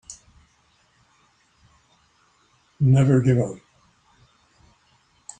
Never give up.